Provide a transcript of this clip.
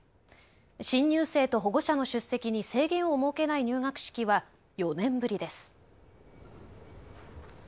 新入生と保護者の出席に制限を設けない入学式は４年ぶりです。